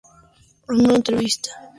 En una entrevista con Billboard, Perry dijo,